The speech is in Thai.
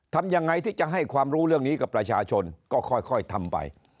ทำยังไงที่จะให้ความรู้เรื่องนี้กับประชาชนก็ค่อยทำไป